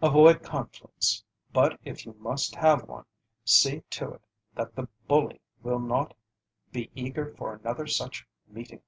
Avoid conflicts, but if you must have one, see to it that the bully will not be eager for another such meeting.